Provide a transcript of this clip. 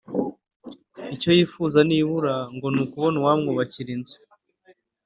Icyo yifuza nibura ngo ni ukubona uwamwubakira inzu